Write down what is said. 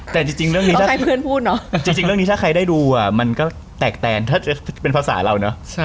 แต่จริงเรื่องนี้ถ้าใครได้ดูอะมันก็แตกแทนถ้าเป็นภาษาเราเนอะ